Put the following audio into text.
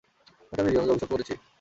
হয়তো আমিই রিকাকে অভিশপ্ত করেছি।